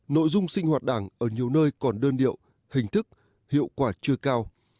nội dung sinh hoạt đảng ở nhiều nơi còn đơn điệu hình thức hiệu quả chưa cao